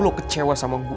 gue tau lo kecewa sama gue